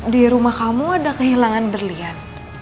di rumah kamu ada kehilangan berlian